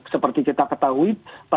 seperti kita ketahui